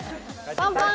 パンパン！